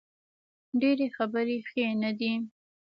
ډیرې خبرې ښې نه دي